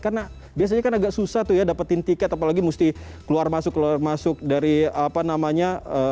karena biasanya kan agak susah tuh ya dapetin tiket apalagi mesti keluar masuk keluar masuk dari apa namanya